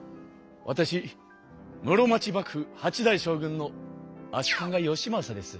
わたし室町幕府８代将軍の足利義政です。